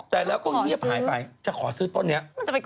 แต่แล้วก็เงียบหายไปจะขอซื้อต้นนี้